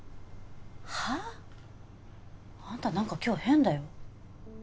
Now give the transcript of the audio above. はあ？あんたなんか今日変だよ。